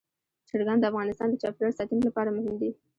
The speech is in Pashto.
چرګان د افغانستان د چاپیریال ساتنې لپاره مهم دي.